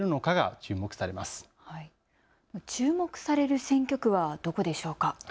注目される選挙区はどこでしょうか。